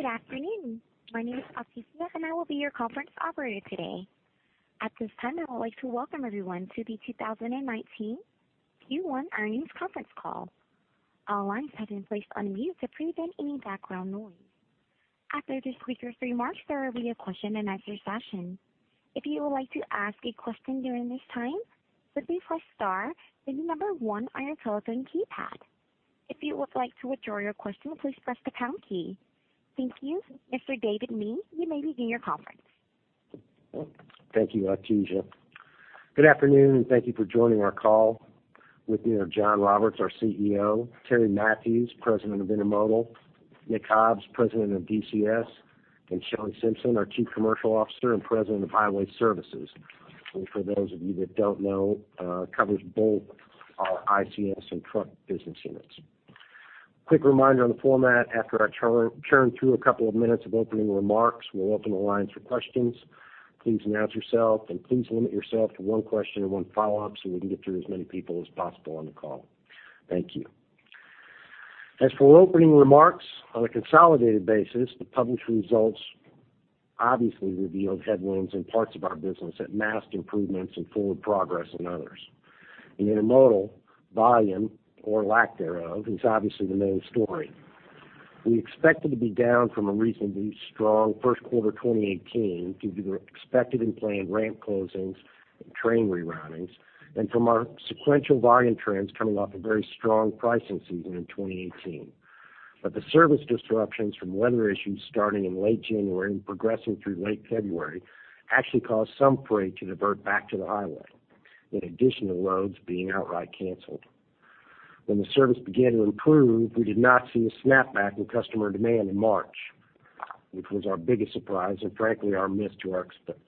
Good afternoon. My name is Artesia, and I will be your conference operator today. At this time, I would like to welcome everyone to the 2019 Q1 Earnings Conference Call. All lines have been placed on mute to prevent any background noise. After the speakers' remarks, there will be a question and answer session. If you would like to ask a question during this time, simply press star then the number 1 on your telephone keypad. If you would like to withdraw your question, please press the pound key. Thank you. Mr. David Mee, you may begin your conference. Thank you, Artesia. Good afternoon, and thank you for joining our call. With me are John Roberts, our CEO, Terry Matthews, President of Intermodal, Nick Hobbs, President of DCS, and Shelley Simpson, our Chief Commercial Officer and President of Highway Services, who for those of you that don't know covers both our ICS and truck business units. Quick reminder on the format. After I churn through a couple of minutes of opening remarks, we'll open the lines for questions. Please announce yourself, and please limit yourself to one question and one follow-up so we can get through as many people as possible on the call. Thank you. As for opening remarks, on a consolidated basis, the published results obviously revealed headwinds in parts of our business that masked improvements and forward progress in others. In Intermodal, volume, or lack thereof, is obviously the main story. We expected to be down from a reasonably strong first quarter 2018 due to the expected and planned ramp closings and train reroutings and from our sequential volume trends coming off a very strong pricing season in 2018. The service disruptions from weather issues starting in late January and progressing through late February actually caused some freight to divert back to the highway, in addition to loads being outright canceled. When the service began to improve, we did not see a snapback in customer demand in March, which was our biggest surprise and frankly, our miss to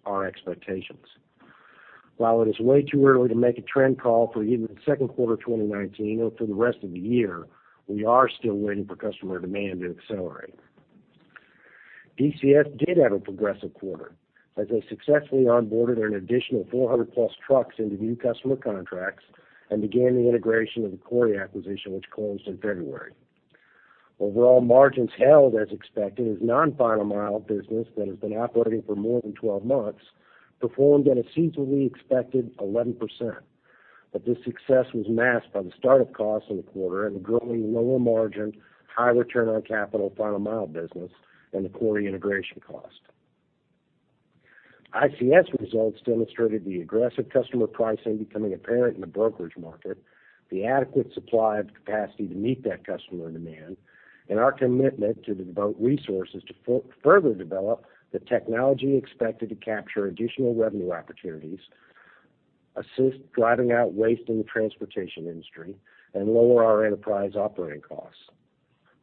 our expectations. While it is way too early to make a trend call for even the second quarter 2019 or for the rest of the year, we are still waiting for customer demand to accelerate. DCS did have a progressive quarter as they successfully onboarded an additional 400-plus trucks into new customer contracts and began the integration of the Cory acquisition, which closed in February. Overall margins held as expected as non-final mile business that has been operating for more than 12 months performed at a seasonally expected 11%. This success was masked by the startup costs in the quarter and the growing lower margin, high return on capital final mile business and the Cory integration cost. ICS results demonstrated the aggressive customer pricing becoming apparent in the brokerage market, the adequate supply of capacity to meet that customer demand, and our commitment to devote resources to further develop the technology expected to capture additional revenue opportunities, assist driving out waste in the transportation industry, and lower our enterprise operating costs.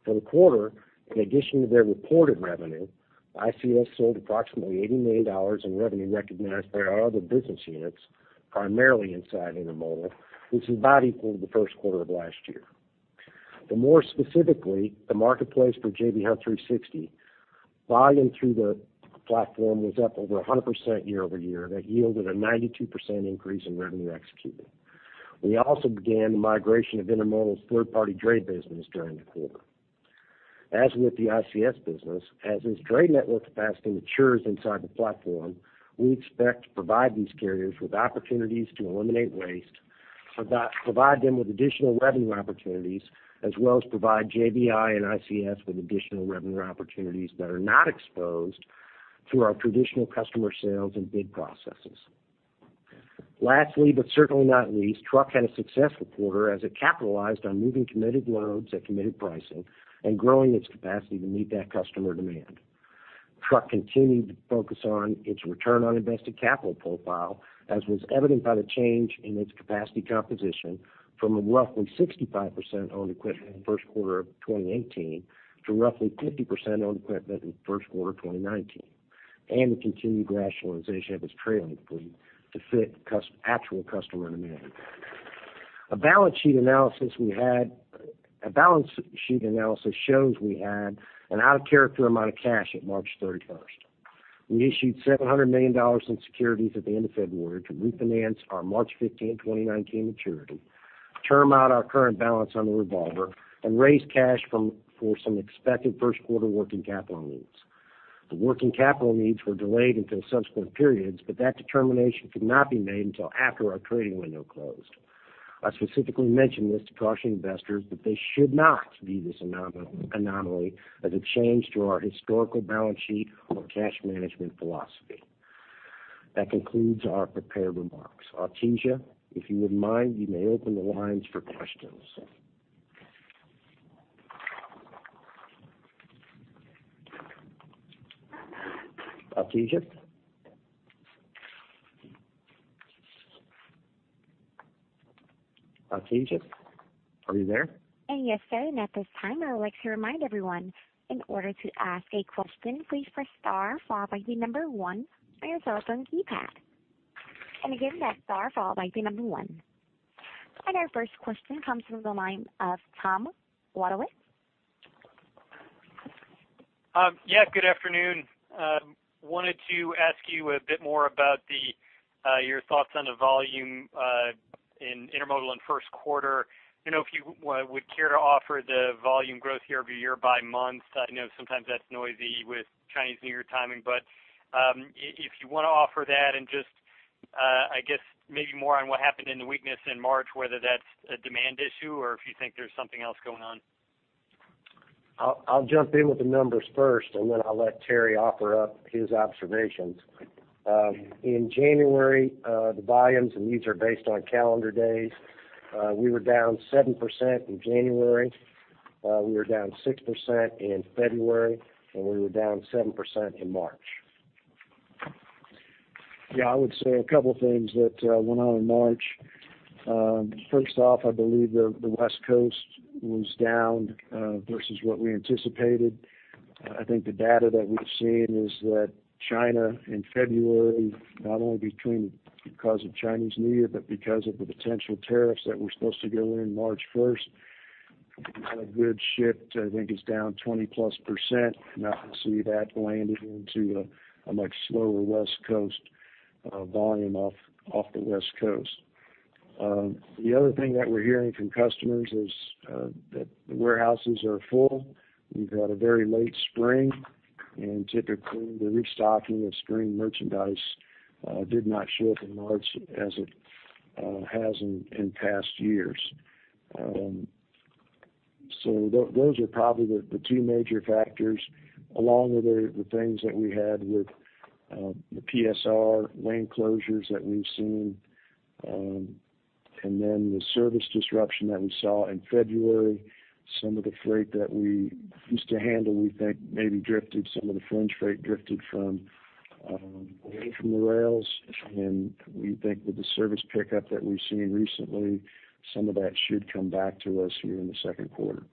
For the quarter, in addition to their reported revenue, ICS sold approximately $80 million in revenue recognized by our other business units, primarily inside Intermodal, which is about equal to the first quarter of last year. More specifically, the Marketplace for J.B. Hunt 360° volume through the platform was up over 100% year-over-year. That yielded a 92% increase in revenue executed. We also began the migration of Intermodal's third-party dray business during the quarter. As with the ICS business, as its dray network capacity matures inside the platform, we expect to provide these carriers with opportunities to eliminate waste, provide them with additional revenue opportunities, as well as provide JBI and ICS with additional revenue opportunities that are not exposed through our traditional customer sales and bid processes. Lastly, certainly not least, truck had a successful quarter as it capitalized on moving committed loads at committed pricing and growing its capacity to meet that customer demand. Truck continued to focus on its return on invested capital profile, as was evident by the change in its capacity composition from a roughly 65% owned equipment in the first quarter of 2018 to roughly 50% owned equipment in the first quarter of 2019, and the continued rationalization of its trailing fleet to fit actual customer demand. A balance sheet analysis shows we had an out of character amount of cash at March 31st. We issued $700 million in securities at the end of February to refinance our March 15, 2019 maturity, term out our current balance on the revolver, and raise cash for some expected first quarter working capital needs. The working capital needs were delayed until subsequent periods, that determination could not be made until after our trading window closed. I specifically mention this to caution investors that this should not be this anomaly as a change to our historical balance sheet or cash management philosophy. That concludes our prepared remarks. Artesia, if you would mind, you may open the lines for questions. Artesia? Artesia, are you there? Yes, sir. At this time, I would like to remind everyone, in order to ask a question, please press star followed by the number 1 on your telephone keypad. Again, that's star followed by the number 1. Our first question comes from the line of Tom Wadewitz. Yes, good afternoon. Wanted to ask you a bit more about your thoughts on the volume in intermodal and first quarter. If you would care to offer the volume growth year-over-year by month. I know sometimes that's noisy with Chinese New Year timing, but if you want to offer that and just, I guess maybe more on what happened in the weakness in March, whether that's a demand issue or if you think there's something else going on. I'll jump in with the numbers first, then I'll let Terry offer up his observations. In January, the volumes, and these are based on calendar days, we were down 7% in January. We were down 6% in February, and we were down 7% in March. I would say a couple things that went on in March. First off, I believe the West Coast was down versus what we anticipated. I think the data that we've seen is that China, in February, not only because of Chinese New Year, but because of the potential tariffs that were supposed to go in March 1st, had a good shift. I think it's down 20-plus% now. We see that landing into a much slower West Coast volume off the West Coast. Other thing that we're hearing from customers is that the warehouses are full. Typically, the restocking of spring merchandise did not show up in March as it has in past years. Those are probably the two major factors, along with the things that we had with the PSR lane closures that we've seen, then the service disruption that we saw in February. Some of the freight that we used to handle, we think maybe some of the fringe freight drifted away from the rails, we think with the service pickup that we've seen recently, some of that should come back to us here in the second quarter.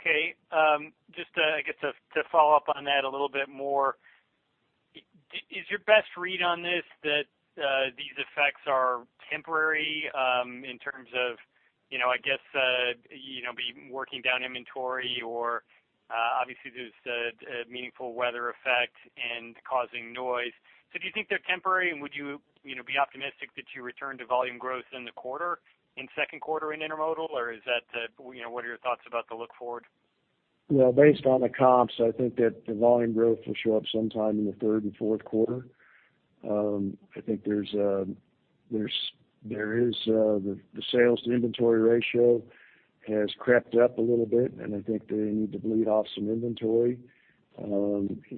Okay. Just, I guess to follow up on that a little bit more, is your best read on this that these effects are temporary in terms of, I guess, working down inventory or obviously, there's a meaningful weather effect and causing noise. Do you think they're temporary, and would you be optimistic that you return to volume growth in the quarter, in second quarter in intermodal? Or what are your thoughts about the look forward? Well, based on the comps, I think that the volume growth will show up sometime in the third and fourth quarter. I think the sales to inventory ratio has crept up a little bit, and I think they need to bleed off some inventory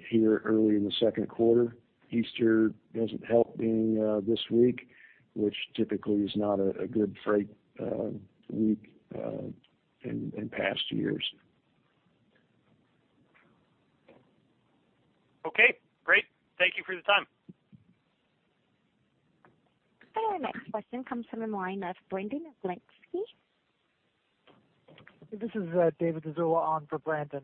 here early in the second quarter. Easter doesn't help being this week, which typically is not a good freight week in past years. Okay, great. Thank you for the time. Our next question comes from the line of Brandon Oglenski. This is David Zazula on for Brandon.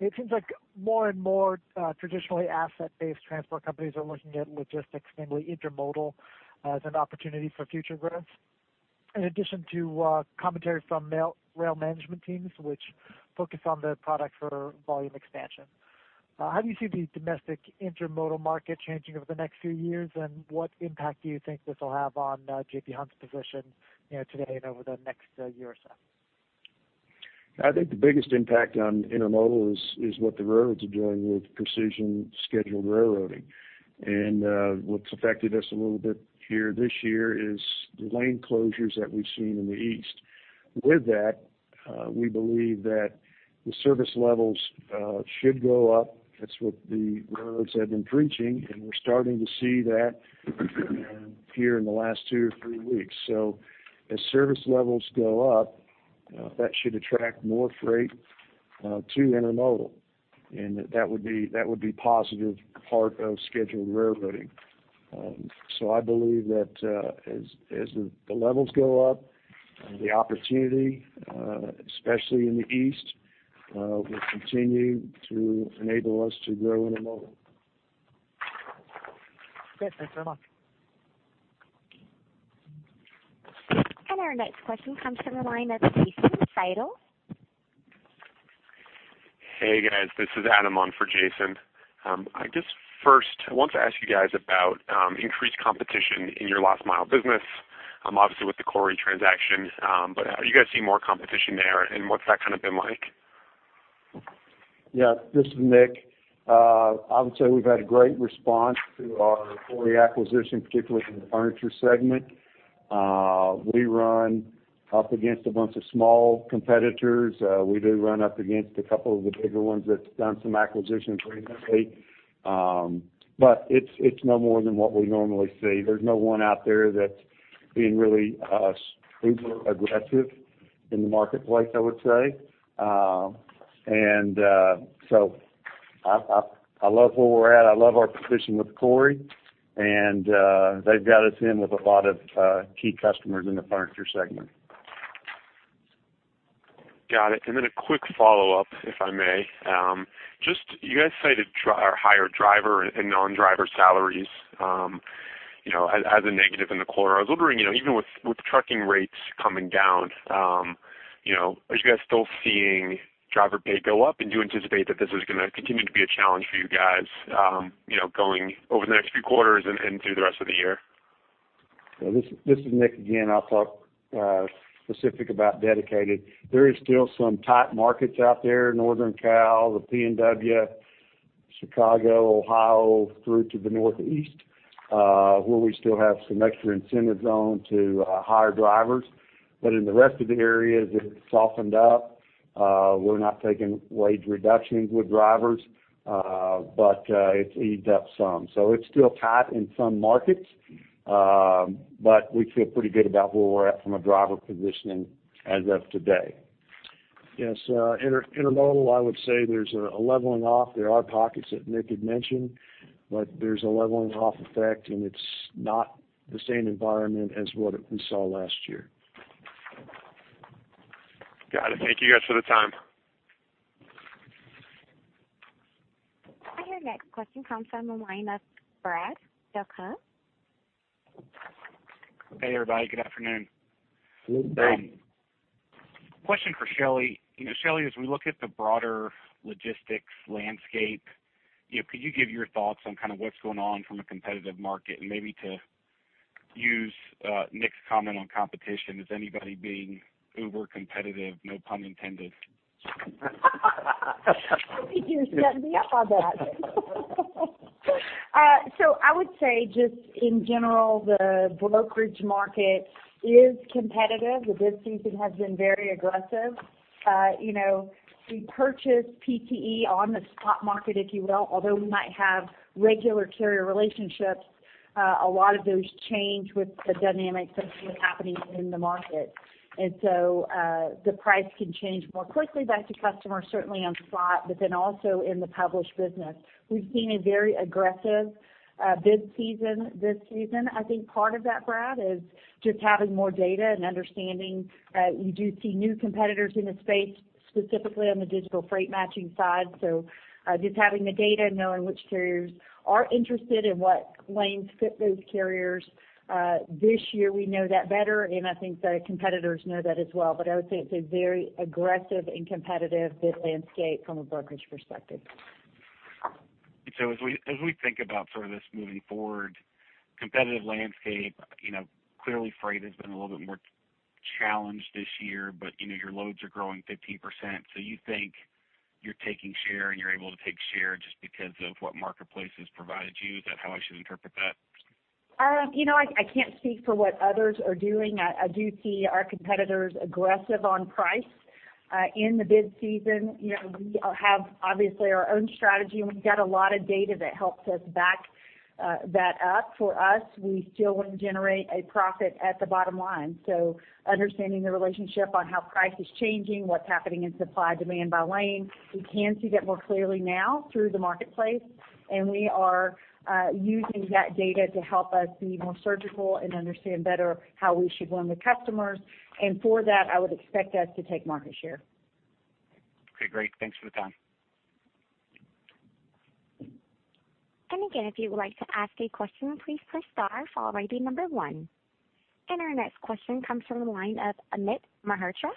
It seems like more and more traditionally asset-based transport companies are looking at logistics, namely intermodal, as an opportunity for future growth. In addition to commentary from rail management teams, which focus on the product for volume expansion. How do you see the domestic intermodal market changing over the next few years, and what impact do you think this will have on J.B. Hunt's position today and over the next year or so? I think the biggest impact on intermodal is what the railroads are doing with Precision Scheduled Railroading. What's affected us a little bit here this year is the lane closures that we've seen in the East. With that, we believe that the service levels should go up. That's what the railroads have been preaching, and we're starting to see that here in the last two or three weeks. As service levels go up, that should attract more freight to intermodal, and that would be positive part of scheduled railroading. I believe that as the levels go up, the opportunity, especially in the East, will continue to enable us to grow intermodal. Okay, thanks very much. Our next question comes from the line of Jason Seidl. Hey, guys. This is Adam on for Jason. I just first want to ask you guys about increased competition in your last mile business, obviously with the Cory transaction. Are you guys seeing more competition there, and what's that been like? Yeah. This is Nick. I would say we've had a great response to our Cory acquisition, particularly from the furniture segment. We run up against a bunch of small competitors. We do run up against a couple of the bigger ones that's done some acquisitions recently. It's no more than what we normally see. There's no one out there that's being really super aggressive in the marketplace, I would say. I love where we're at. I love our position with Cory, and they've got us in with a lot of key customers in the furniture segment. Got it. A quick follow-up, if I may. You guys cited higher driver and non-driver salaries as a negative in the quarter. I was wondering, even with trucking rates coming down, are you guys still seeing driver pay go up? Do you anticipate that this is going to continue to be a challenge for you guys going over the next few quarters and through the rest of the year? This is Nick again. I'll talk specific about dedicated. There is still some tight markets out there, Northern Cal, the PNW, Chicago, Ohio, through to the Northeast, where we still have some extra incentive going to hire drivers. In the rest of the areas, it softened up. We're not taking wage reductions with drivers, but it's eased up some. It's still tight in some markets, but we feel pretty good about where we're at from a driver positioning as of today. Yes. Intermodal, I would say there's a leveling off. There are pockets that Nick had mentioned, but there's a leveling off effect, and it's not the same environment as what we saw last year. Got it. Thank you guys for the time. Our next question comes from the line of Brad Delco. Hey, everybody. Good afternoon. Good afternoon. Question for Shelley. Shelley, as we look at the broader logistics landscape, could you give your thoughts on what's going on from a competitive market? Maybe to use Nick's comment on competition, is anybody being uber competitive, no pun intended? You're setting me up on that. I would say just in general, the brokerage market is competitive. The bid season has been very aggressive. We purchase PTE on the spot market, if you will. Although we might have regular carrier relationships, a lot of those change with the dynamics of what's happening in the market. The price can change more quickly back to customers, certainly on spot, but then also in the published business. We've seen a very aggressive bid season this season. I think part of that, Brad, is just having more data and understanding. You do see new competitors in the space, specifically on the digital freight matching side. Just having the data, knowing which carriers are interested and what lanes fit those carriers. This year, we know that better, and I think the competitors know that as well. I would say it's a very aggressive and competitive bid landscape from a brokerage perspective. As we think about this moving forward, competitive landscape, clearly freight has been a little bit more challenged this year, your loads are growing 15%. You think you're taking share and you're able to take share just because of what Marketplace has provided you. Is that how I should interpret that? I can't speak for what others are doing. I do see our competitors aggressive on price in the bid season. We have, obviously, our own strategy, and we've got a lot of data that helps us back that up. For us, we still want to generate a profit at the bottom line. Understanding the relationship on how price is changing, what's happening in supply demand by lane, we can see that more clearly now through the Marketplace, and we are using that data to help us be more surgical and understand better how we should win with customers. For that, I would expect us to take market share. Okay, great. Thanks for the time. Again, if you would like to ask a question, please press star followed by the number 1. Our next question comes from the line of Amit Mehrotra.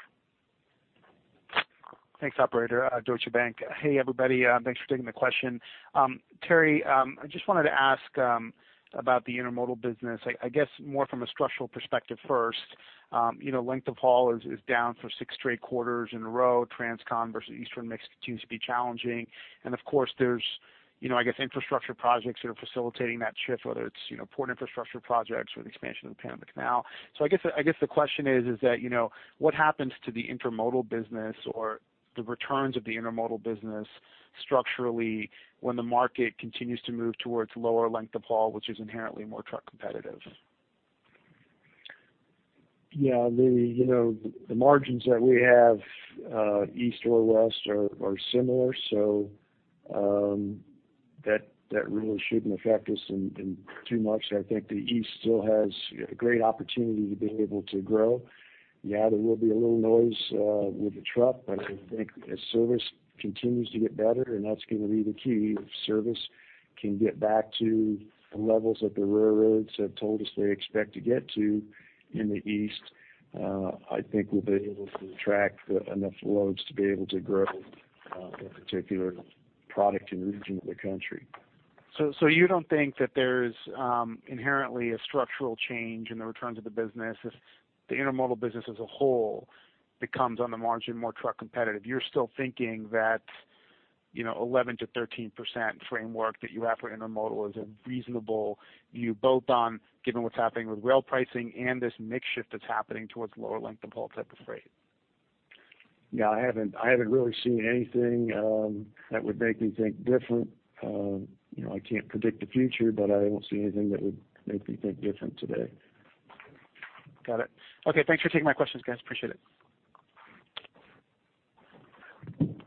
Thanks, operator. Deutsche Bank. Hey, everybody. Thanks for taking the question. Terry, I just wanted to ask about the intermodal business, I guess more from a structural perspective first. Length of haul is down for 6 straight quarters in a row. Transcon versus Eastern mix continues to be challenging. Of course, there's infrastructure projects that are facilitating that shift, whether it's port infrastructure projects or the expansion of the Panama Canal. I guess the question is that, what happens to the intermodal business or the returns of the intermodal business structurally when the market continues to move towards lower length of haul, which is inherently more truck competitive? Yeah. The margins that we have, East or West are similar, that really shouldn't affect us in too much. I think the East still has a great opportunity to be able to grow. Yeah, there will be a little noise with the truck, I think as service continues to get better, that's going to be the key. If service can get back to the levels that the railroads have told us they expect to get to in the East, I think we'll be able to attract enough loads to be able to grow a particular product and region of the country. You don't think that there's inherently a structural change in the returns of the business as the intermodal business as a whole becomes, on the margin, more truck competitive. You're still thinking that 11%-13% framework that you have for intermodal is a reasonable view both on given what's happening with rail pricing and this mix shift that's happening towards lower length of haul type of freight. Yeah, I haven't really seen anything that would make me think different. I can't predict the future, I don't see anything that would make me think different today. Got it. Okay, thanks for taking my questions, guys. Appreciate it.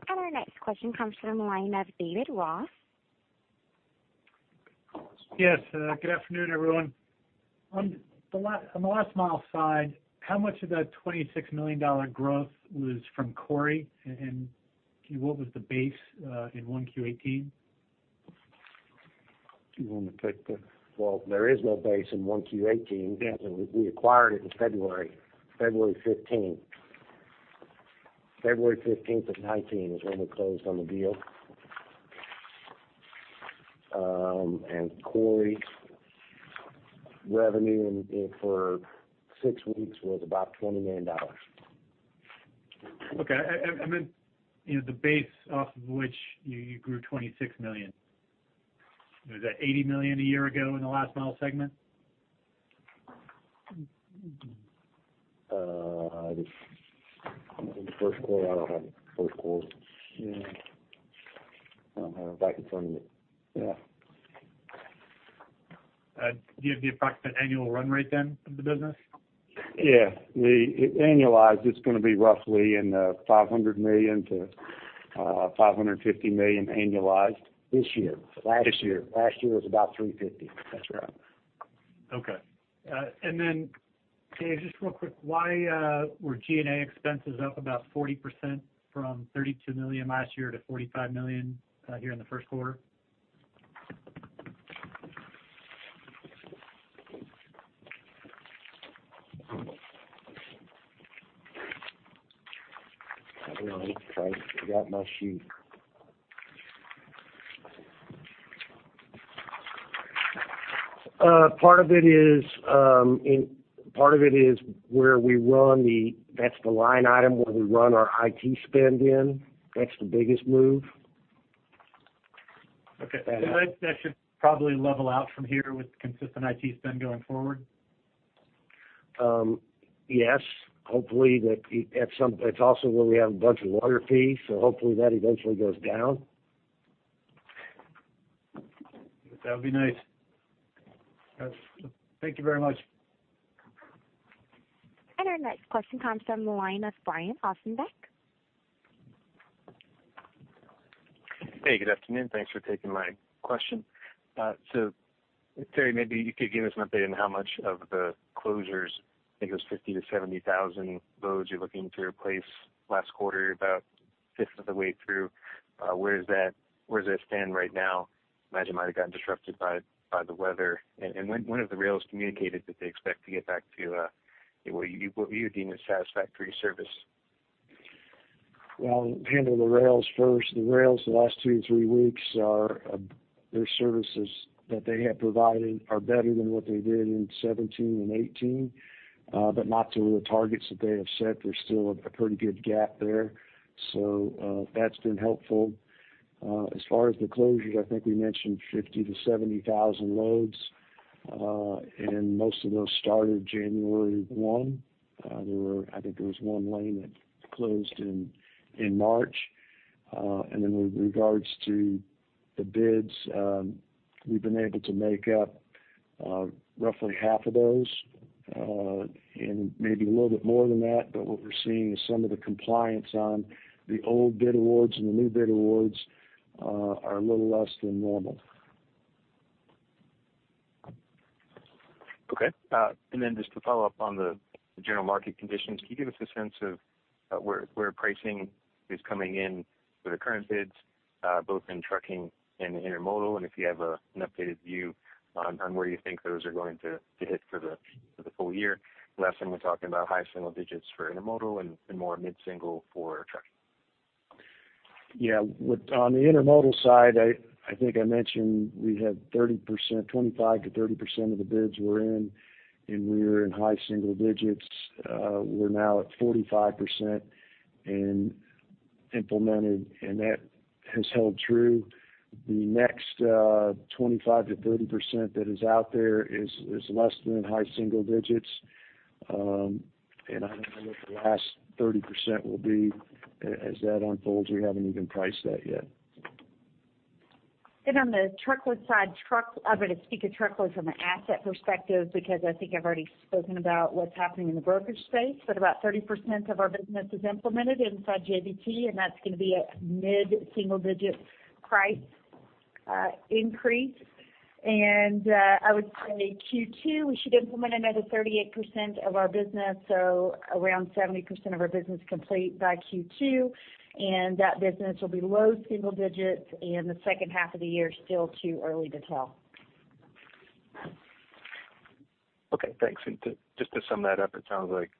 Our next question comes from the line of David Ross. Yes, good afternoon, everyone. On the last mile side, how much of that $26 million growth was from Cory, and what was the base in one Q18? Do you want me to take that? Well, there is no base in one Q18. Yeah. We acquired it in February. February 15th of 2019 is when we closed on the deal. Cory's revenue for six weeks was about $20 million. Okay. I meant the base off of which you grew $26 million. Was that $80 million a year ago in the Final Mile segment? In the first quarter, I don't have first quarter. I don't have it right in front of me. Yeah. Do you have the approximate annual run rate then of the business? Yeah. Annualized, it's going to be roughly in the $500 million to $550 million annualized. This year? This year. Last year was about $350 million. That's right. Dave, just real quick, why were G&A expenses up about 40% from $32 million last year to $45 million here in the first quarter? Hang on. Christ, I forgot my sheet. Part of it is where we run our IT spend in. That's the biggest move. Okay. That should probably level out from here with consistent IT spend going forward? Yes. Hopefully. It's also where we have a bunch of write-offs, hopefully that eventually goes down. That'd be nice. Thank you very much. Our next question comes from the line of Brian Ossenbeck. Hey, good afternoon. Thanks for taking my question. Terry, maybe you could give us an update on how much of the closures, I think it was 50,000 to 70,000 loads you're looking to replace last quarter, about fifth of the way through. Where does that stand right now? I imagine it might have gotten disrupted by the weather. When have the rails communicated that they expect to get back to what you deem as satisfactory service? Well, I'll handle the rails first. The rails the last two, three weeks are their services that they have provided are better than what they did in 2017 and 2018. Not to the targets that they have set. There's still a pretty good gap there. That's been helpful. As far as the closures, I think we mentioned 50,000 to 70,000 loads. Most of those started January 1. I think there was one lane that closed in March. With regards to the bids, we've been able to make up roughly half of those, and maybe a little bit more than that. What we're seeing is some of the compliance on the old bid awards and the new bid awards are a little less than normal. Okay. Then just to follow up on the general market conditions, can you give us a sense of where pricing is coming in for the current bids, both in trucking and intermodal, and if you have an updated view on where you think those are going to hit for the full year? Last time we're talking about high single digits for intermodal and more mid-single for trucking. Yeah. On the intermodal side, I think I mentioned we had 25%-30% of the bids were in, and we were in high single digits. We're now at 45% and implemented, and that has held true. The next 25%-30% that is out there is less than in high single digits. I don't know what the last 30% will be as that unfolds. We haven't even priced that yet. On the truckload side, I'm going to speak of truckload from an asset perspective because I think I've already spoken about what's happening in the brokerage space. About 30% of our business is implemented inside JBT, and that's going to be a mid-single digit price increase. I would say Q2, we should implement another 38% of our business, so around 70% of our business complete by Q2, and that business will be low single digits. The second half of the year is still too early to tell. Okay, thanks. Just to sum that up, it sounds like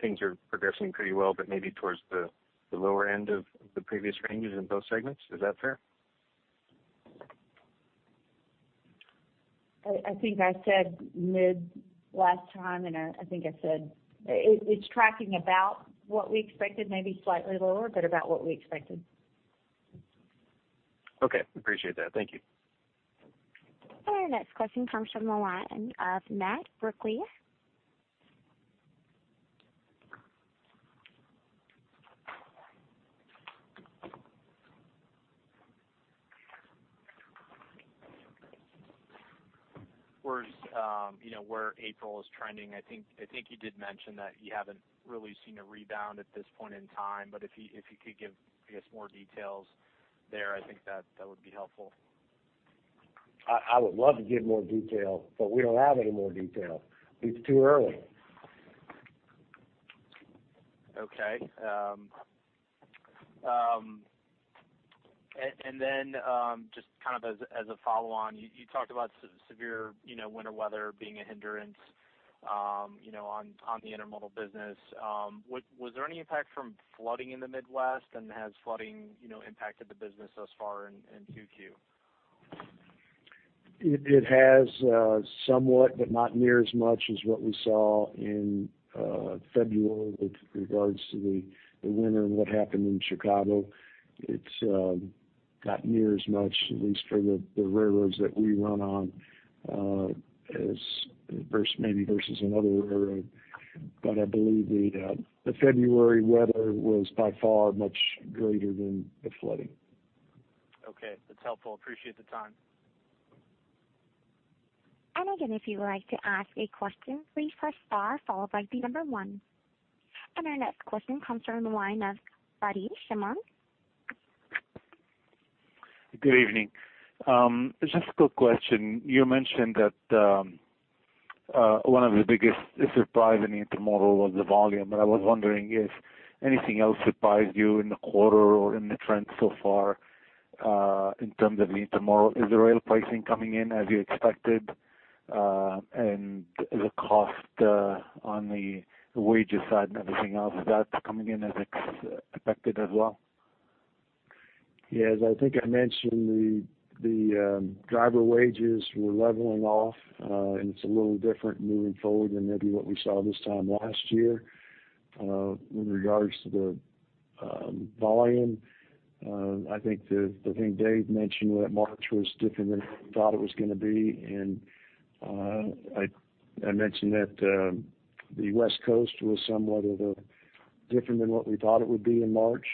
things are progressing pretty well, but maybe towards the lower end of the previous ranges in both segments. Is that fair? I think I said mid last time. I think I said it's tracking about what we expected, maybe slightly lower. About what we expected. Okay. Appreciate that. Thank you. Our next question comes from the line of Matt Brinkley. Where April is trending. I think you did mention that you haven't really seen a rebound at this point in time. If you could give, I guess, more details there, I think that would be helpful. I would love to give more detail, but we don't have any more detail. It's too early. Okay. Then just as a follow on, you talked about severe winter weather being a hindrance On the intermodal business, was there any impact from flooding in the Midwest? Has flooding impacted the business thus far in 2Q? It has somewhat, but not near as much as what we saw in February with regards to the winter and what happened in Chicago. It's not near as much, at least for the railroads that we run on, maybe versus another railroad. I believe the February weather was by far much greater than the flooding. Okay. That's helpful. Appreciate the time. Again, if you would like to ask a question, please press star followed by the number one. Our next question comes from the line of Adi Shimon. Good evening. Just a quick question. You mentioned that one of the biggest surprise in the intermodal was the volume, I was wondering if anything else surprised you in the quarter or in the trend so far in terms of the intermodal? Is the rail pricing coming in as you expected? The cost on the wage side and everything else, is that coming in as expected as well? Yes, I think I mentioned the driver wages were leveling off, it's a little different moving forward than maybe what we saw this time last year. In regards to the volume, I think Dave mentioned that March was different than we thought it was going to be, I mentioned that the West Coast was somewhat different than what we thought it would be in March.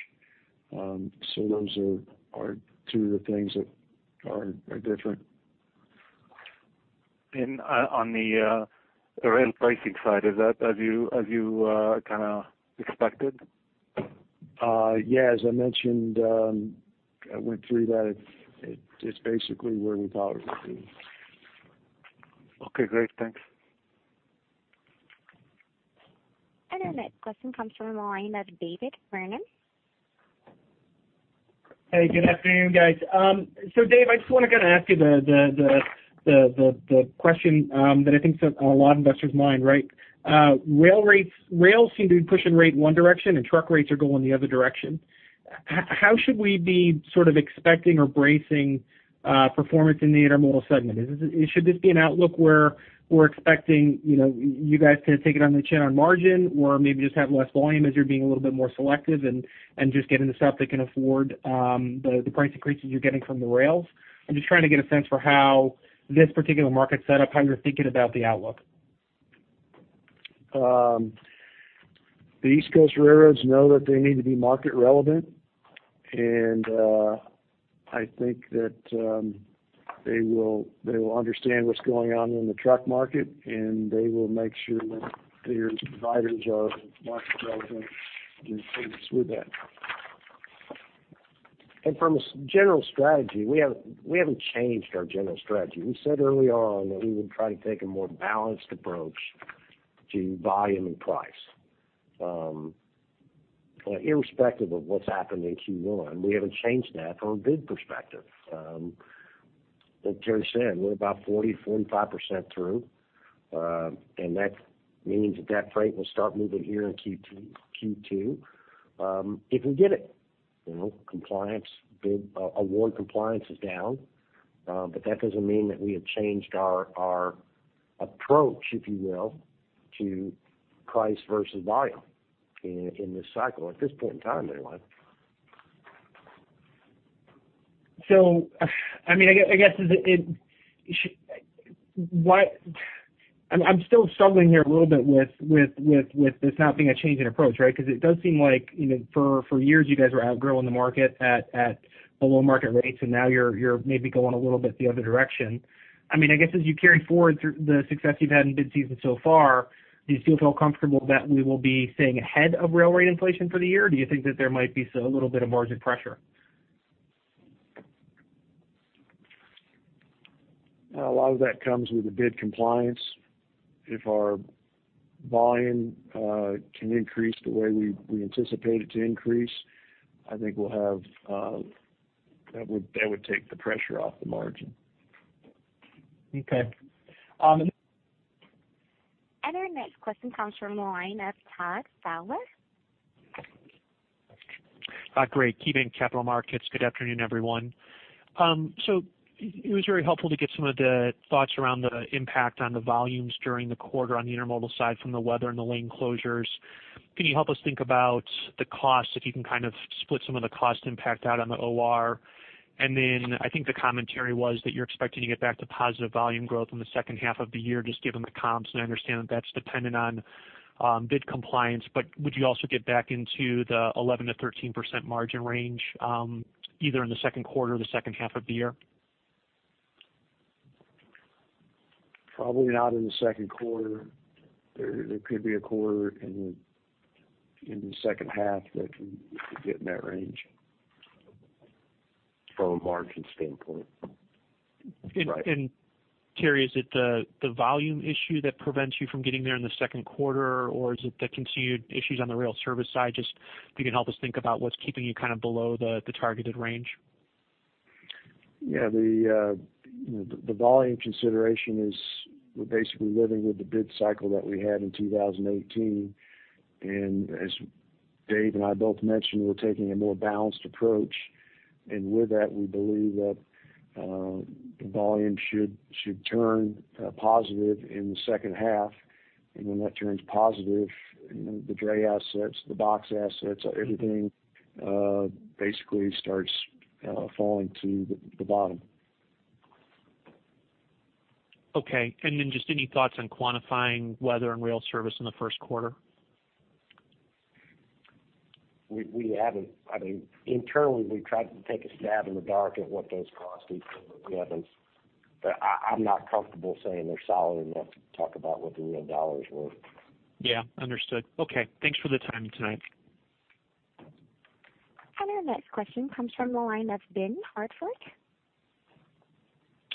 Those are two of the things that are different. On the rail pricing side, is that as you expected? Yes, as I mentioned, I went through that. It's basically where we thought it would be. Okay, great. Thanks. Our next question comes from the line of David Vernon. Hey, good afternoon, guys. Dave, I just want to ask you the question that I think is on a lot of investors mind, right? Rails seem to be pushing rate in one direction, and truck rates are going the other direction. How should we be expecting or bracing performance in the intermodal segment? Should this be an outlook where we're expecting you guys to take it on the chin on margin or maybe just have less volume as you're being a little bit more selective and just getting the stuff that can afford the price increases you're getting from the rails? I'm just trying to get a sense for how this particular market set up, how you're thinking about the outlook. The East Coast railroads know that they need to be market relevant, and I think that they will understand what's going on in the truck market, and they will make sure that their providers are market relevant and compete with that. From a general strategy, we haven't changed our general strategy. We said early on that we would try to take a more balanced approach to volume and price. Irrespective of what's happened in Q1, we haven't changed that from a bid perspective. Like Terry said, we're about 40%-45% through, and that means that that freight will start moving here in Q2 if we get it. Award compliance is down, but that doesn't mean that we have changed our approach, if you will, to price versus volume in this cycle at this point in time anyway. I guess, I'm still struggling here a little bit with this not being a change in approach, right? Because it does seem like for years you guys were outgrowing the market at below market rates, and now you're maybe going a little bit the other direction. I guess as you carry forward through the success you've had in bid season so far, do you still feel comfortable that we will be staying ahead of rail rate inflation for the year? Do you think that there might be still a little bit of margin pressure? A lot of that comes with the bid compliance. If our volume can increase the way we anticipate it to increase, I think that would take the pressure off the margin. Okay. Our next question comes from the line of Todd Fowler. [Hi, great!] KeyBanc Capital Markets. Good afternoon, everyone. It was very helpful to get some of the thoughts around the impact on the volumes during the quarter on the intermodal side from the weather and the lane closures. Can you help us think about the costs, if you can split some of the cost impact out on the OR? I think the commentary was that you're expecting to get back to positive volume growth in the second half of the year. Just given the comps, and I understand that that's dependent on bid compliance, but would you also get back into the 11%-13% margin range, either in the second quarter or the second half of the year? Probably not in the second quarter. There could be a quarter in the second half that can get in that range from a margin standpoint. Terry, is it the volume issue that prevents you from getting there in the second quarter, or is it the continued issues on the rail service side? Just if you can help us think about what's keeping you below the targeted range. The volume consideration is we're basically living with the bid cycle that we had in 2018. As Dave and I both mentioned, we're taking a more balanced approach. With that, we believe that the volume should turn positive in the second half. When that turns positive, the dray assets, the box assets, everything basically starts falling to the bottom. Just any thoughts on quantifying weather and rail service in the first quarter? We haven't. Internally, we've tried to take a stab in the dark at what those costs would be. I'm not comfortable saying they're solid enough to talk about what the real dollars were. Yeah. Understood. Okay. Thanks for the time tonight. Our next question comes from the line of Ben Hartford.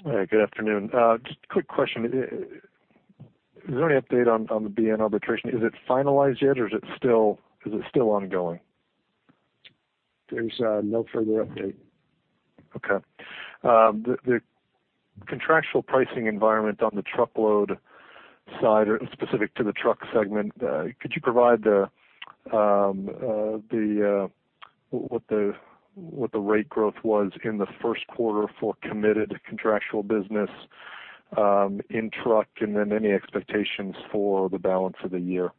Hi, good afternoon. Just a quick question. Is there any update on the BNSF arbitration? Is it finalized yet or is it still ongoing? There's no further update. Okay. The contractual pricing environment on the truckload side, or specific to the truck segment, could you provide what the rate growth was in the first quarter for committed contractual business in truck, and then any expectations for the balance of the year?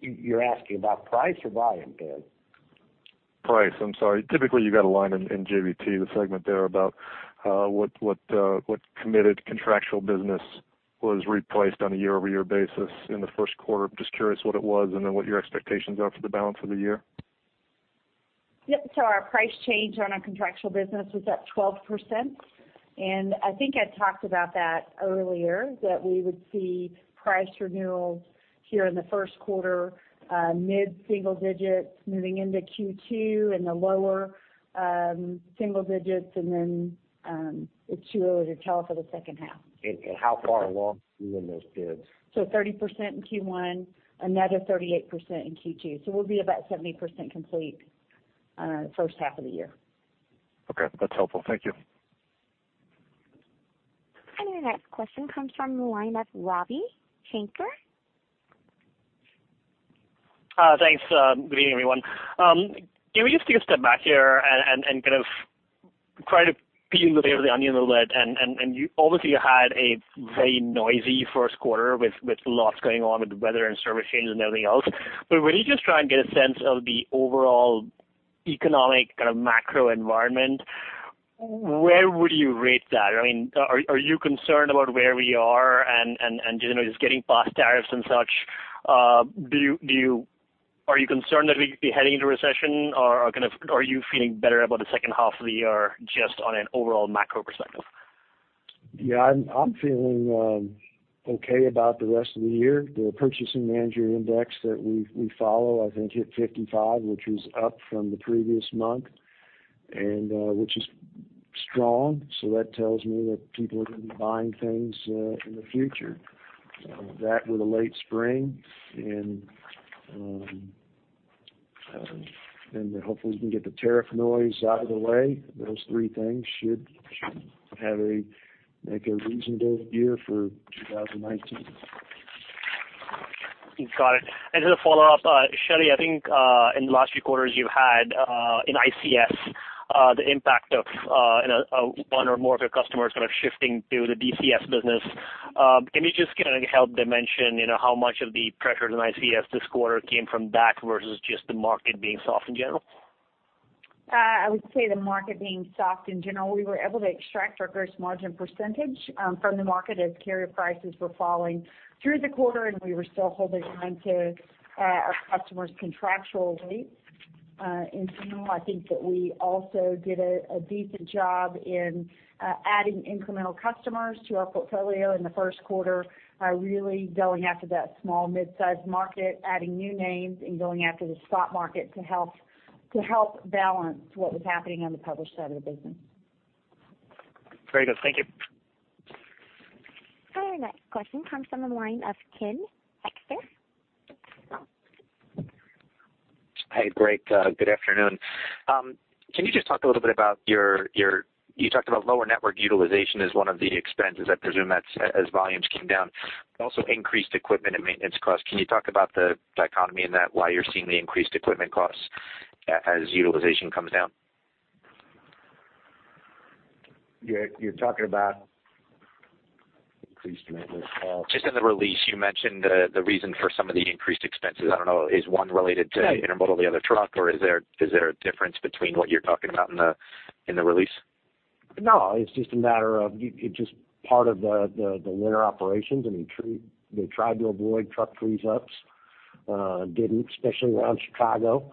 You're asking about price or volume, Ben? Price. I'm sorry. Typically, you got a line in JBT, the segment there, about what committed contractual business was replaced on a year-over-year basis in the first quarter. I'm just curious what it was, and then what your expectations are for the balance of the year. Yep. Our price change on our contractual business was up 12%. I think I talked about that earlier, that we would see price renewals here in the first quarter, mid-single digits moving into Q2 in the lower single digits, it's too early to tell for the second half. How far along are you in those bids? 30% in Q1, another 38% in Q2. We'll be about 70% complete on the first half of the year. Okay. That's helpful. Thank you. Our next question comes from the line of Ravi Shanker. Thanks. Good evening, everyone. Can we just take a step back here and try to peel the layer of the onion a little bit? Obviously, you had a very noisy first quarter with lots going on with weather and service changes and everything else. When you just try and get a sense of the overall economic macro environment, where would you rate that? Are you concerned about where we are and just getting past tariffs and such? Are you concerned that we could be heading into a recession, or are you feeling better about the second half of the year just on an overall macro perspective? Yeah, I'm feeling okay about the rest of the year. The purchasing manager index that we follow, I think, hit 55, which was up from the previous month, and which is strong. That tells me that people are going to be buying things in the future. That with a late spring, hopefully we can get the tariff noise out of the way. Those three things should make a reasonable year for 2019. Got it. Just a follow-up. Shelley, I think in the last few quarters you had in ICS, the impact of one or more of your customers shifting to the DCS business. Can you just help dimension how much of the pressures in ICS this quarter came from that versus just the market being soft in general? I would say the market being soft in general. We were able to extract our gross margin percentage from the market as carrier prices were falling through the quarter, and we were still holding on to our customers contractually. In general, I think that we also did a decent job in adding incremental customers to our portfolio in the first quarter by really going after that small midsize market, adding new names, and going after the spot market to help balance what was happening on the published side of the business. Very good. Thank you. Our next question comes from the line of Ken Hoexter. Hey, great. Good afternoon. Can you just talk a little bit about you talked about lower network utilization as one of the expenses. I presume that's as volumes came down. Also increased equipment and maintenance costs. Can you talk about the dichotomy in that, why you're seeing the increased equipment costs as utilization comes down? You're talking about increased maintenance costs? Just in the release, you mentioned the reason for some of the increased expenses. I don't know, is one related to intermodal, the other truck, or is there a difference between what you're talking about in the release? No. It's just a matter of, it's just part of the winter operations. They tried to avoid truck freeze-ups. Didn't, especially around Chicago.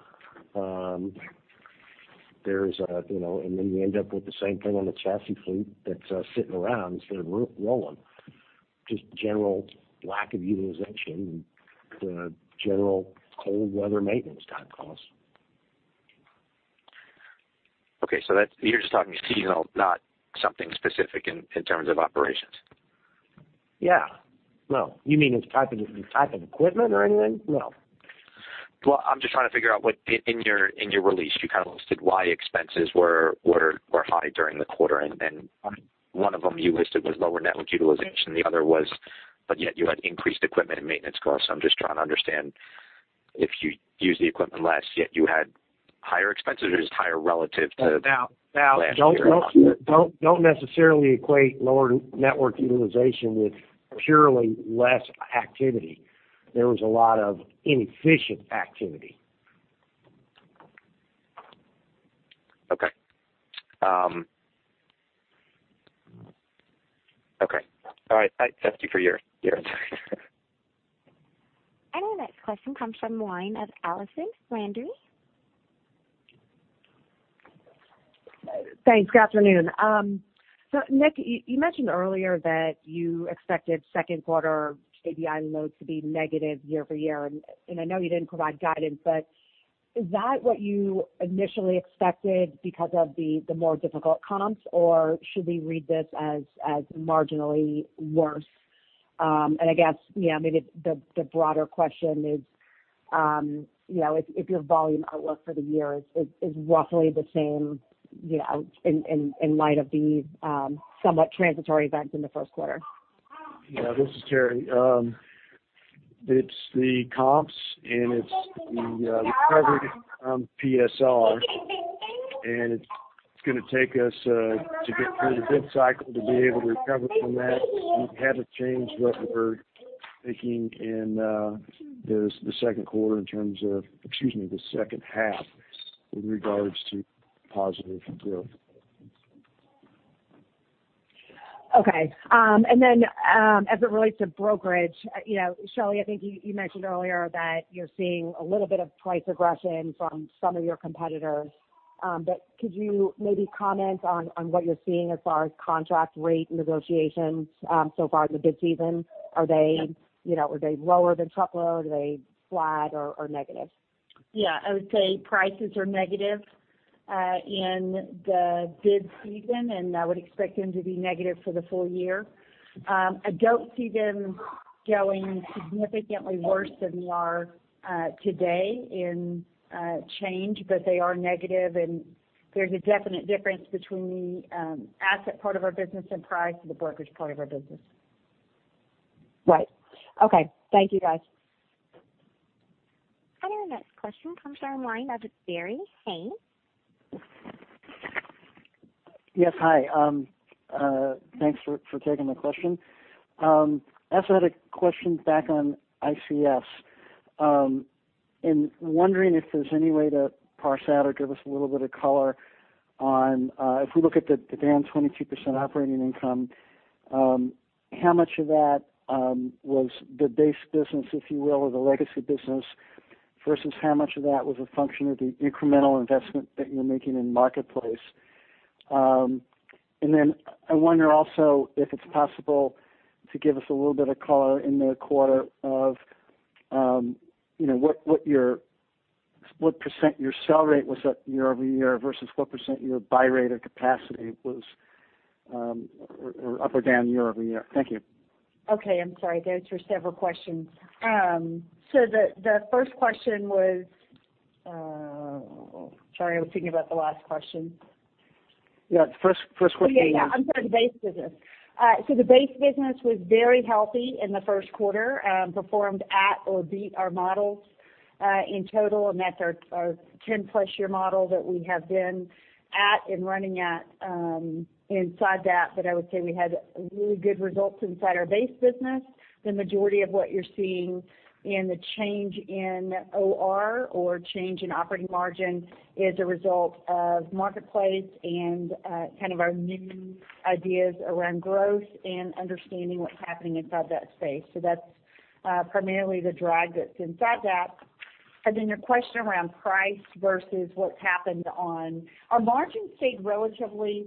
Then you end up with the same thing on the chassis fleet that's sitting around instead of rolling. Just general lack of utilization, the general cold weather maintenance type costs. Okay. You're just talking seasonal, not something specific in terms of operations? Yeah. No. You mean the type of equipment or anything? No. I'm just trying to figure out what, in your release, you listed why expenses were high during the quarter. One of them you listed was lower network utilization. The other was, but yet you had increased equipment and maintenance costs. I'm just trying to understand if you use the equipment less, yet you had higher expenses, or just higher relative to last year. Now, don't necessarily equate lower network utilization with purely less activity. There was a lot of inefficient activity. Okay. All right. Thank you for your time. Our next question comes from the line of Allison Landry. Thanks. Good afternoon. Nick, you mentioned earlier that you expected second quarter JBI loads to be negative year-over-year, and I know you didn't provide guidance, but is that what you initially expected because of the more difficult comps, or should we read this as marginally worse? I guess maybe the broader question is if your volume outlook for the year is roughly the same in light of the somewhat transitory events in the first quarter? Yeah, this is Terry. It's the comps and it's the recovery from PSR. It's going to take us to get through the bid cycle to be able to recover from that. We haven't changed what we're thinking in the second quarter in terms of, excuse me, the second half in regards to positive growth. Okay. As it relates to brokerage, Shelley, I think you mentioned earlier that you're seeing a little bit of price aggression from some of your competitors. Could you maybe comment on what you're seeing as far as contract rate negotiations so far in the bid season? Are they lower than truckload? Are they flat or negative? Yeah. I would say prices are negative in the bid season, and I would expect them to be negative for the full year. I don't see them going significantly worse than they are today in change, but they are negative and there's a definite difference between the asset part of our business and price to the brokerage part of our business. Right. Okay. Thank you, guys. Our next question comes from the line of Barry Haig. Yes. Hi. Thanks for taking my question. I also had a question back on ICS. Wondering if there's any way to parse out or give us a little bit of color on, if we look at the down 22% operating income, how much of that was the base business, if you will, or the legacy business, versus how much of that was a function of the incremental investment that you're making in Marketplace? I wonder also if it's possible to give us a little bit of color in the quarter of what % your sell rate was up year-over-year versus what % your buy rate or capacity was up or down year-over-year. Thank you. Okay. I'm sorry. Those were several questions. The first question was Sorry, I was thinking about the last question. Yeah. The first question was- Yeah, I'm sorry, the base business. The base business was very healthy in the first quarter, performed at or beat our models in total, and that's our 10+ year model that we have been at and running at inside that. I would say we had really good results inside our base business. The majority of what you're seeing in the change in OR or change in operating margin is a result of Marketplace and our new ideas around growth and understanding what's happening inside that space. That's primarily the drive that's inside that. Your question around price versus what's happened on. Our margins stayed relatively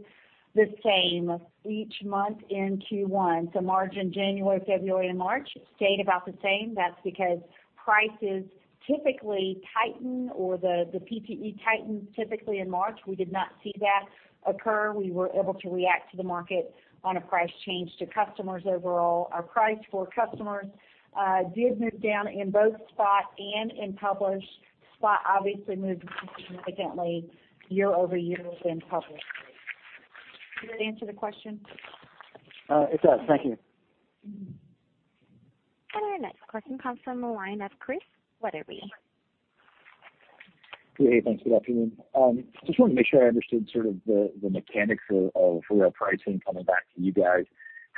the same each month in Q1. Margin January, February, and March stayed about the same. That's because prices typically tighten or the PTE tightens typically in March. We did not see that occur. We were able to react to the market on a price change to customers overall. Our price for customers did move down in both spot and in published. Spot obviously moved significantly year-over-year within published. Does that answer the question? It does. Thank you. Our next question comes from the line of Chris Wetherbee. Hey, thanks. Good afternoon. Just wanted to make sure I understood sort of the mechanics of rail pricing coming back to you guys.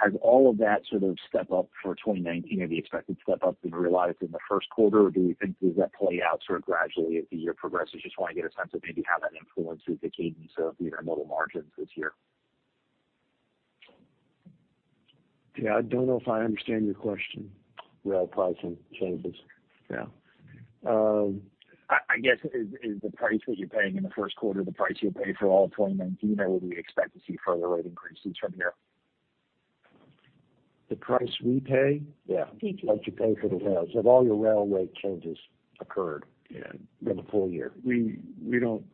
Has all of that sort of step-up for 2019 or the expected step-up been realized in the first quarter, or do we think that that play out sort of gradually as the year progresses? Just want to get a sense of maybe how that influences the cadence of your model margins this year. Yeah. I don't know if I understand your question. Rail pricing changes. Yeah. I guess is the price what you're paying in the first quarter, the price you'll pay for all 2019, or would we expect to see further rate increases from here? The price we pay? Yeah. PT. What you pay for the rails. Have all your rail rate changes occurred in the full year? We don't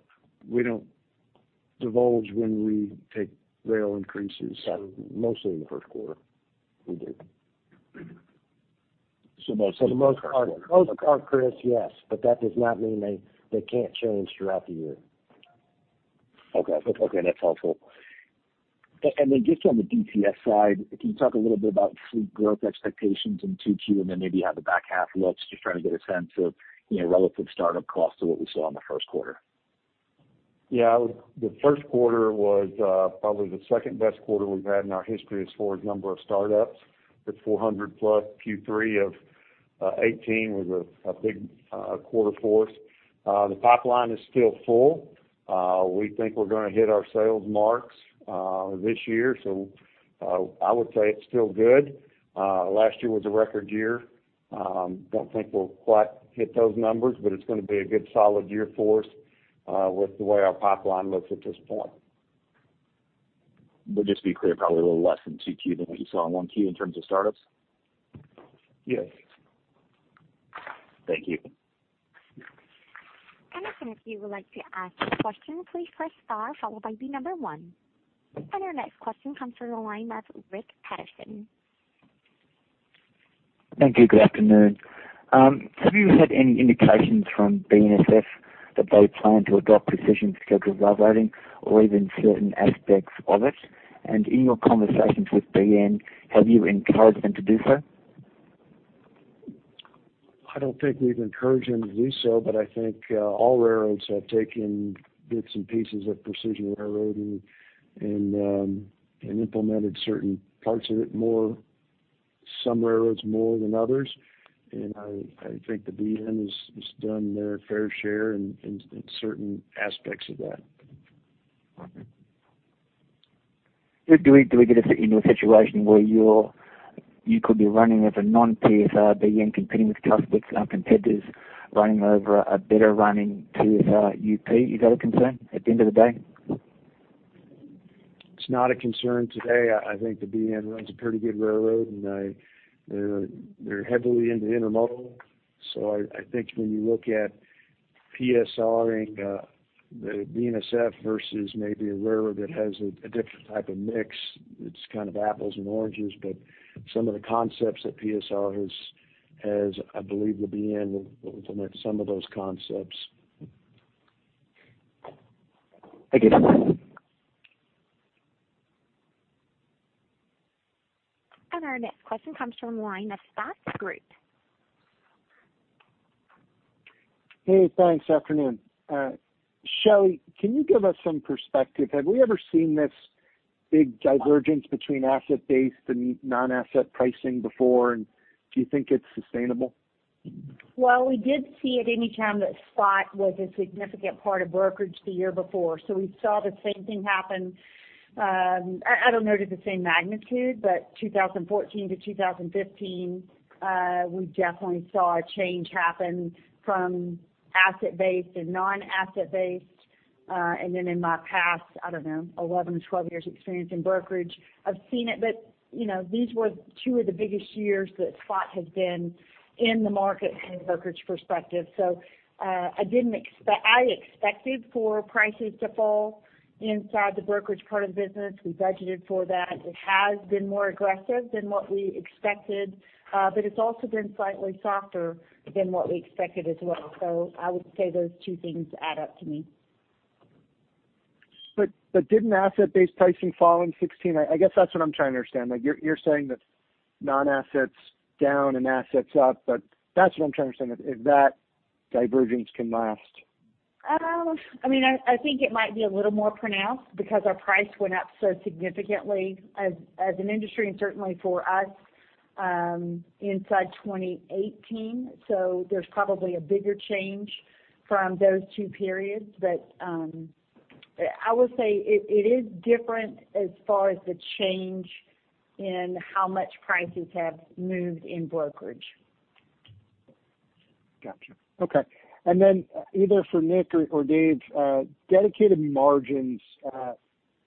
Divulge when we take rail increases. Mostly in the first quarter, we do. most are- Most are, Chris, yes. That does not mean they can't change throughout the year. Okay. That's helpful. Just on the DCS side, can you talk a little bit about fleet growth expectations in Q2 and maybe how the back half looks, just trying to get a sense of relative startup costs to what we saw in the first quarter? The first quarter was probably the second-best quarter we've had in our history as far as number of startups. It's 400-plus. Q3 of 2018 was a big quarter for us. The pipeline is still full. We think we're going to hit our sales marks this year. I would say it's still good. Last year was a record year. Don't think we'll quite hit those numbers, but it's going to be a good solid year for us with the way our pipeline looks at this point. Just to be clear, probably a little less than 2Q than what you saw in 1Q in terms of startups? Yes. Thank you. If any of you would like to ask a question, please press star followed by the number one. Our next question comes from the line of Rick Paterson. Thank you. Good afternoon. Have you had any indications from BNSF that they plan to adopt precision scheduled railroading or even certain aspects of it? In your conversations with BNSF, have you encouraged them to do so? I don't think we've encouraged them to do so, but I think all railroads have taken bits and pieces of precision railroading and implemented certain parts of it more, some railroads more than others. I think the BNSF has done their fair share in certain aspects of that. Do we get into a situation where you could be running as a non-PSR BNSF competing with competitors running over a better running PSR UP? Is that a concern at the end of the day? It's not a concern today. I think the BNSF runs a pretty good railroad, and they're heavily into intermodal. I think when you look at PSRing the BNSF versus maybe a railroad that has a different type of mix, it's kind of apples and oranges. Some of the concepts that PSR has, I believe the BNSF will implement some of those concepts. Thank you. Our next question comes from the line of Scott Group. Hey, thanks. Afternoon. Shelley, can you give us some perspective? Have we ever seen this big divergence between asset-based and non-asset pricing before, and do you think it's sustainable? We did see it anytime that spot was a significant part of brokerage the year before. We saw the same thing happen, I don't know to the same magnitude, but 2014-2015 we definitely saw a change happen from asset-based to non-asset-based. In my past, I don't know, 11, 12 years experience in brokerage, I've seen it. These were two of the biggest years that spot has been in the market in a brokerage perspective. I expected for prices to fall inside the brokerage part of the business. We budgeted for that. It has been more aggressive than what we expected, but it's also been slightly softer than what we expected as well. I would say those two things add up to me. Didn't asset-based pricing fall in 2016? I guess that's what I'm trying to understand. You're saying that non-asset's down and asset's up, that's what I'm trying to understand, if that divergence can last. I think it might be a little more pronounced because our price went up so significantly as an industry and certainly for us inside 2018. There's probably a bigger change from those two periods. I will say it is different as far as the change in how much prices have moved in brokerage. Got you. Okay. Then either for Nick or Dave, dedicated margins,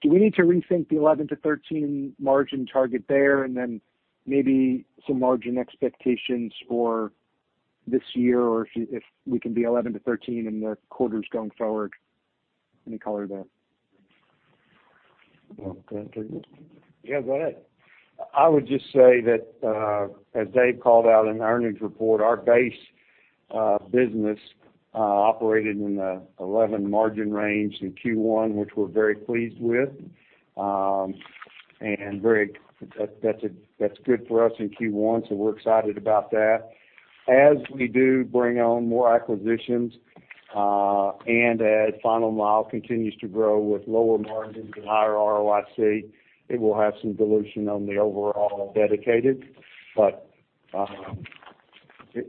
do we need to rethink the 11-13 margin target there and then maybe some margin expectations for this year or if we can be 11-13 in the quarters going forward? Any color there? Go ahead, Nick. Yeah, go ahead. I would just say that as Dave called out in our earnings report, our base business operated in the 11% margin range in Q1, which we're very pleased with. That's good for us in Q1, so we're excited about that. As we do bring on more acquisitions and as final mile continues to grow with lower margins and higher ROIC, it will have some dilution on the overall dedicated.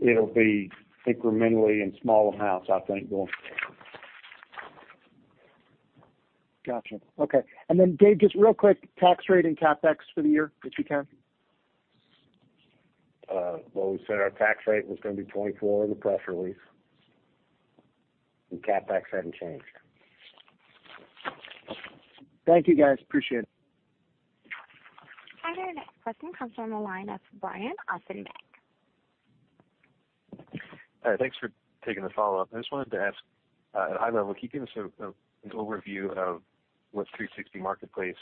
It'll be incrementally in small amounts, I think, going forward. Got you. Okay. Dave, just real quick, tax rate and CapEx for the year, if you can. Well, we said our tax rate was going to be 24% in the press release. CapEx hadn't changed. Thank you guys. Appreciate it. All right. Our next question comes from the line of Brian Ossenbeck. All right. Thanks for taking the follow-up. I just wanted to ask, at a high level, can you give us an overview of what 360 Marketplace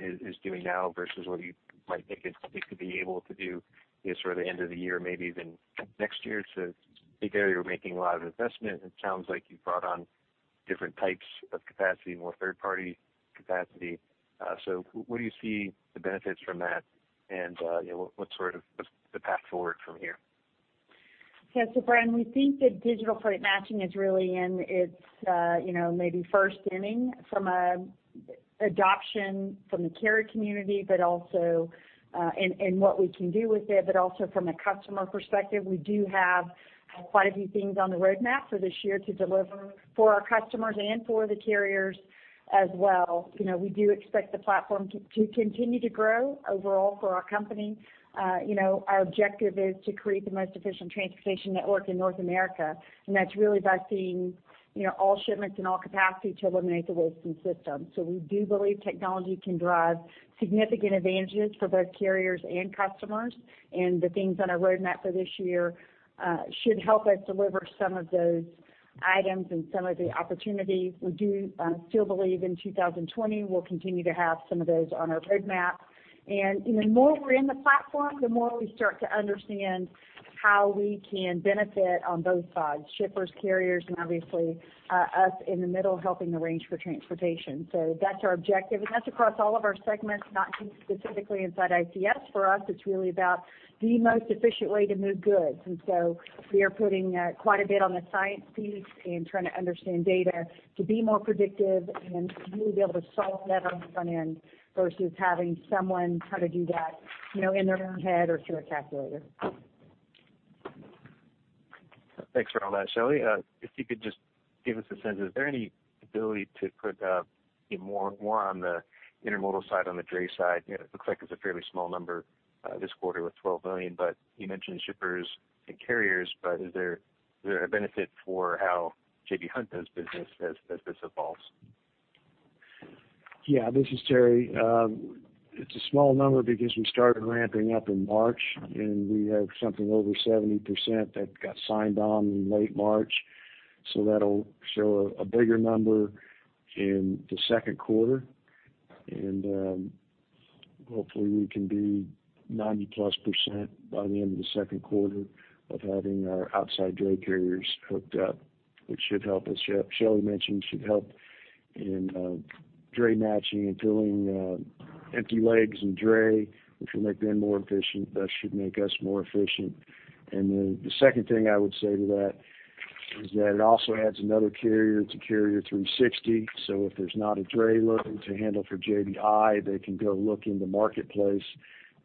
is doing now versus what you might think it could be able to do sort of the end of the year, maybe even next year? It's a big area you're making a lot of investment. It sounds like you've brought on different types of capacity, more third-party capacity. What do you see the benefits from that and what's the path forward from here? Yeah. Brian, we think that digital freight matching is really in its maybe first inning from an adoption from the carrier community, and what we can do with it, but also from a customer perspective. We do have quite a few things on the roadmap for this year to deliver for our customers and for the carriers as well. We do expect the platform to continue to grow overall for our company. Our objective is to create the most efficient transportation network in North America, and that's really by seeing all shipments and all capacity to eliminate the waste in the system. We do believe technology can drive significant advantages for both carriers and customers. The things on our roadmap for this year should help us deliver some of those items and some of the opportunities. We do still believe in 2020 we'll continue to have some of those on our roadmap. The more we're in the platform, the more we start to understand how we can benefit on both sides, shippers, carriers, and obviously us in the middle helping arrange for transportation. That's our objective, and that's across all of our segments, not just specifically inside ICS. For us, it's really about the most efficient way to move goods. We are putting quite a bit on the science piece and trying to understand data to be more predictive and really be able to solve that on the front end versus having someone try to do that in their own head or through a calculator. Thanks for all that, Shelley. If you could just give us a sense, is there any ability to put more on the intermodal side, on the dray side? It looks like it's a fairly small number this quarter with $12 million, but you mentioned shippers and carriers, but is there a benefit for how J.B. Hunt does business as this evolves? Yeah. This is Terry. It's a small number because we started ramping up in March, and we have something over 70% that got signed on in late March. That'll show a bigger number in the second quarter. Hopefully we can be 90-plus percent by the end of the second quarter of having our outside dray carriers hooked up, which should help, as Shelley mentioned, should help in dray matching and filling empty legs and dray, which will make them more efficient, thus should make us more efficient. The second thing I would say to that is that it also adds another carrier to Carrier 360. If there's not a dray load to handle for JBI, they can go look in the marketplace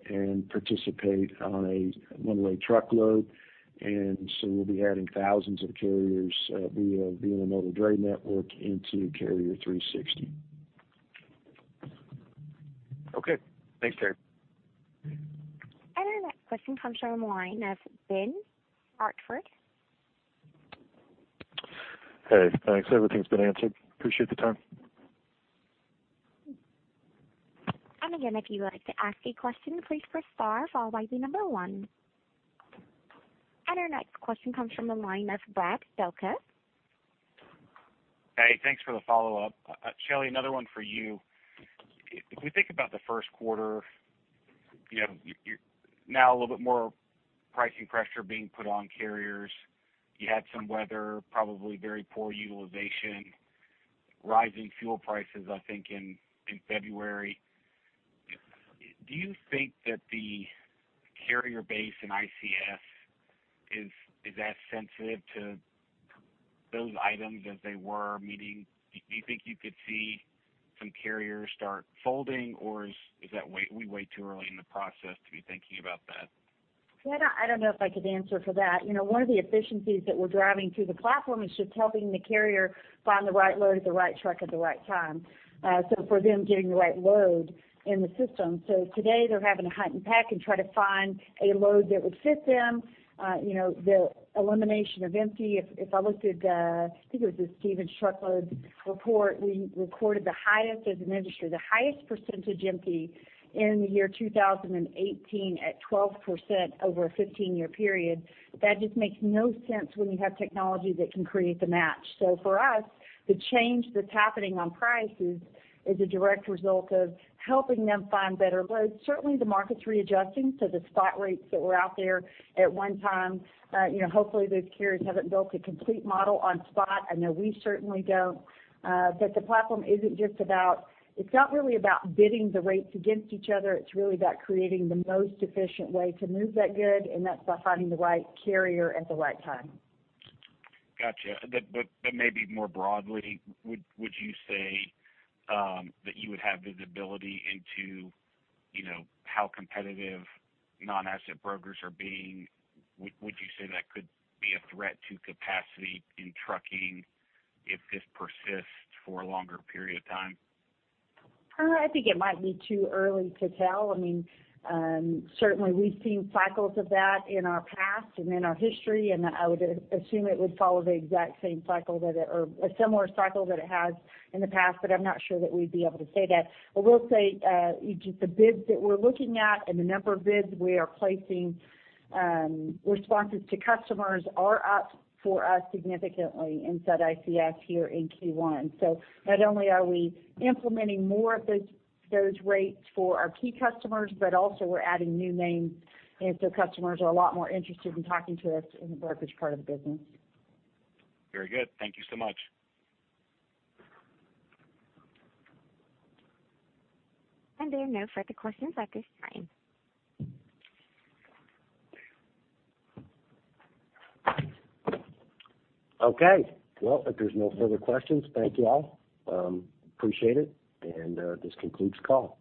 and participate on a one-way truckload. We'll be adding thousands of carriers via the intermodal dray network into Carrier 360. Okay. Thanks, Terry. Our next question comes from the line of Ben Hartford. Hey, thanks. Everything's been answered. Appreciate the time. Again, if you would like to ask a question, please press star followed by the number 1. Our next question comes from the line of Brad Delco. Thanks for the follow-up. Shelley, another one for you. We think about the first quarter, now a little bit more pricing pressure being put on carriers. You had some weather, probably very poor utilization, rising fuel prices, I think, in February. Do you think that the carrier base in ICS, is that sensitive to those items as they were? Meaning, do you think you could see some carriers start folding, or is that way too early in the process to be thinking about that? I don't know if I could answer for that. One of the efficiencies that we're driving through the platform is just helping the carrier find the right load at the right truck at the right time. For them getting the right load in the system. Today they're having to hunt and peck and try to find a load that would fit them. The elimination of empty, if I looked at the, I think it was the Stephens truckload report, we recorded the highest as an industry, the highest percentage empty in the year 2018 at 12% over a 15-year period. That just makes no sense when you have technology that can create the match. For us, the change that's happening on prices is a direct result of helping them find better loads. Certainly the market's readjusting to the spot rates that were out there at one time. Hopefully those carriers haven't built a complete model on spot. I know we certainly don't. The platform isn't just about, it's not really about bidding the rates against each other. It's really about creating the most efficient way to move that good, and that's by finding the right carrier at the right time. Got you. Maybe more broadly, would you say that you would have visibility into how competitive non-asset brokers are being? Would you say that could be a threat to capacity in trucking if this persists for a longer period of time? I think it might be too early to tell. Certainly we've seen cycles of that in our past and in our history, I would assume it would follow the exact same cycle, or a similar cycle that it has in the past. I'm not sure that we'd be able to say that. I will say, the bids that we're looking at and the number of bids we are placing responses to customers are up for us significantly inside ICS here in Q1. Not only are we implementing more of those rates for our key customers, but also we're adding new names as the customers are a lot more interested in talking to us in the brokerage part of the business. Very good. Thank you so much. There are no further questions at this time. Well, if there's no further questions, thank you all. Appreciate it. This concludes the call.